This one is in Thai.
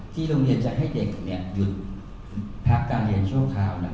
ที่โรงเรียนจะให้เด็กเนี้ยหยุดพักการเรียนช่วงคราวน่ะ